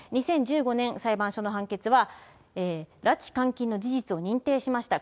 ２０１５年、裁判所の判決は、拉致・監禁の事実を認定しました。